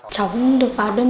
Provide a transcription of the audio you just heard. chóng được bảo đơn